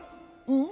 うん。